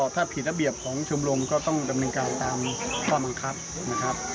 ถ้าผิดทะเบียบของชมรมก็ต้องจำนึงการตามความมังคับ